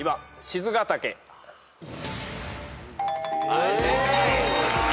はい正解。